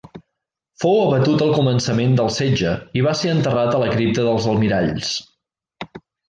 Fou abatut al començament del setge i va ser enterrat a la Cripta dels Almiralls.